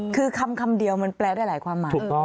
คือคำเดียวมันแปลได้หลายความหมาย